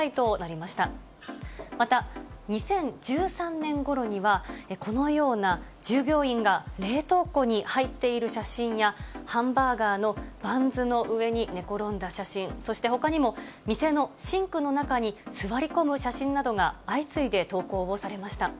また、２０１３年ごろには、このような従業員が冷凍庫に入っている写真や、ハンバーガーのバンズの上に寝転んだ写真、そしてほかにも、店のシンクの中に座り込む写真などが相次いで投稿をされました。